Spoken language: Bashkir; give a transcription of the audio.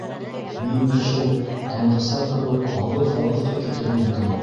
Мин дә шул Тандыса кеүек алыҫ-алыҫҡа китермен кеүек...